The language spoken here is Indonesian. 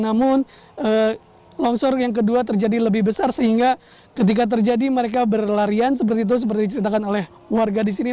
namun longsor yang kedua terjadi lebih besar sehingga ketika terjadi mereka berlarian seperti itu seperti diceritakan oleh warga di sini